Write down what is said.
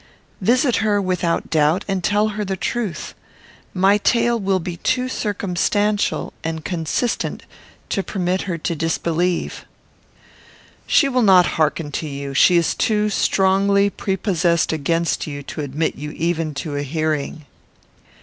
"Visit her, without doubt, and tell her the truth. My tale will be too circumstantial and consistent to permit her to disbelieve." "She will not hearken to you. She is too strongly prepossessed against you to admit you even to a hearing."